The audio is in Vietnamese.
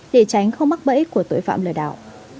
để tránh không mắc bẫy của tội phạm lừa đảo